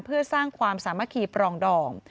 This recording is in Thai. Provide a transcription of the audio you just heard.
เพื่อสร้างความสามัคคีปรองดอง